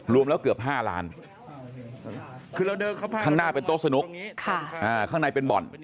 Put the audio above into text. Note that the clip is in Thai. รวมแล้วเกือบ๕ล้านข้างหน้าเป็นโต๊ะสนุกข้างในเป็นบ่อน